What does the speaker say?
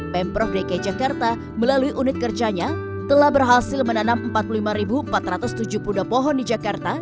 pemprov dki jakarta melalui unit kerjanya telah berhasil menanam empat puluh lima empat ratus tujuh puluh dua pohon di jakarta